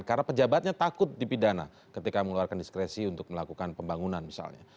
karena pejabatnya takut dipidana ketika mengeluarkan diskresi untuk melakukan pembangunan misalnya